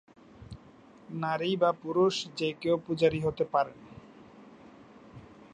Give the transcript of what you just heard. নারী বা পুরুষ যে কেউ পূজারী হতে পারেন।